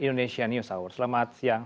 indonesia news hour selamat siang